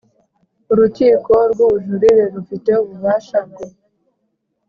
Urukiko rw Ubujurire rufite ububasha bwo